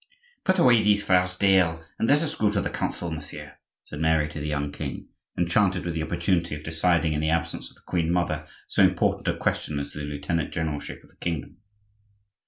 "Put away these furs, Dayelle, and let us go to the Council, monsieur," said Mary to the young king, enchanted with the opportunity of deciding in the absence of the queen mother so important a question as the lieutenant generalship of the kingdom.